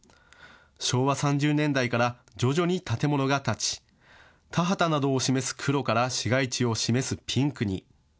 昭和３０年代から徐々に建物が建ち、田畑などを示す黒から市街地を示すピンクに。